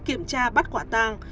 kiểm tra bắt quả tàng